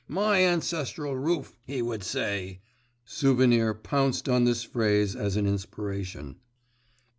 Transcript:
"My ancestral roof," he would say.' Souvenir pounced on this phrase as an inspiration.